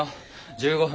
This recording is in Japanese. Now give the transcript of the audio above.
１５分。